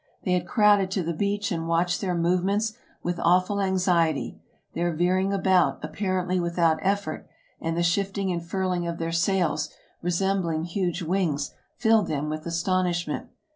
They had crowded to the beach, and watched their movements with awful anxiety. Their veering about, ap parently without effort, and the shifting and furling of their sails, resembling huge wings, filled them with astonishment.